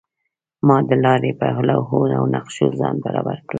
ما د لارې په لوحو او نقشو ځان برابر کړ.